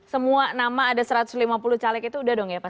semua nama ada satu ratus lima puluh caleg itu udah dong ya pak